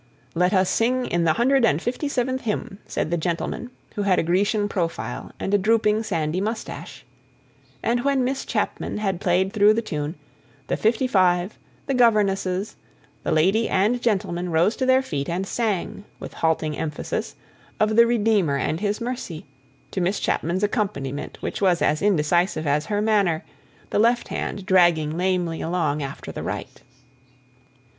"Let us sing in the hundred and fifty seventh hymn," said the gentleman, who had a Grecian profile and a drooping, sandy moustache; and when Miss Chapman had played through the tune, the fifty five, the governesses, the lady and gentleman rose to their feet and sang, with halting emphasis, of the Redeemer and His mercy, to Miss Chapman's accompaniment, which was as indecisive as her manner, the left hand dragging lamely along after the right.